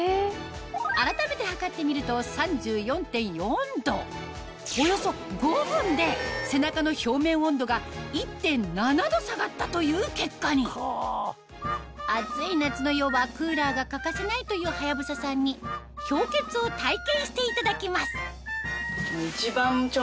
改めて測ってみると３４．４℃およそ５分で背中の表面温度が１．７℃下がったという結果に暑い夏の夜はクーラーがかかせないというはやぶささんに氷結を体験していただきます